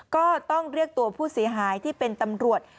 ก็ต้องเรียกตัวผู้เสียหายที่เป็นตำรวจ